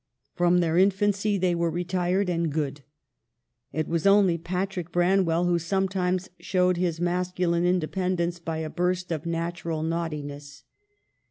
From their infancy they were retired and good ; it was only Patrick Branwell who sometimes showed his masculine independence by a burst of natural naughtiness.